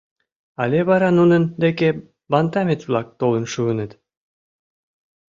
— Але вара нунын деке бантамец-влак толын шуыныт?